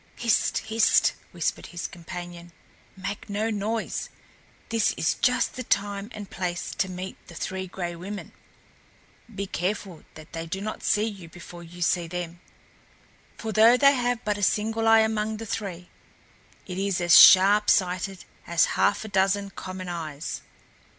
"Hist! hist!" whispered his companion. "Make no noise! This is just the time and place to meet the Three Gray Women. Be careful that they do not see you before you see them, for though they have but a single eye among the three, it is as sharp sighted as half a dozen common eyes."